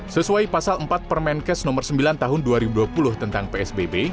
sesuai pasal empat permenkes nomor sembilan tahun dua ribu dua puluh tentang psbb